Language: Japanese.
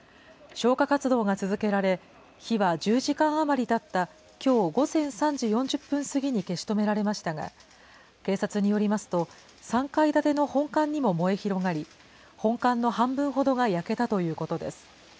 消火活動が続けられ、火は１０時間余りたったきょう午前３時４０分過ぎに消し止められましたが、警察によりますと、３階建ての本館にも燃え広がり、本館の半分ほどが焼けたということです。